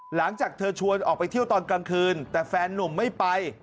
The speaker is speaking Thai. หลังจากเธอชวนออกไปเที่ยวตอนกลางคืนแต่แฟนนุ่มไม่ไป